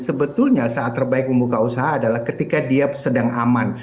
sebetulnya saat terbaik membuka usaha adalah ketika dia sedang aman